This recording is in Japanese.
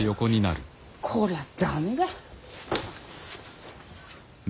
こりゃ駄目だ。